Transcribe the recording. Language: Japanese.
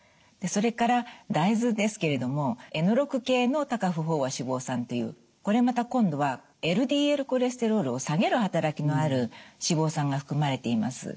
でそれから大豆ですけれどもｎ−６系の多価不飽和脂肪酸っていうこれまた今度はＬＤＬコレステロールを下げる働きのある脂肪酸が含まれています。